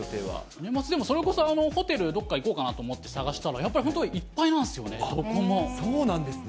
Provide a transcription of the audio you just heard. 年末、でもそれこそ、ホテル、どっか行こうかなと思って、探したらやっぱり本当いっぱいなそうなんですね。